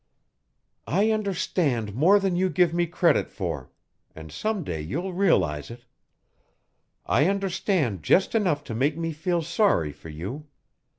"I understand more than you give me credit for, and some day you'll realize it. I understand just enough to make me feel sorry for you.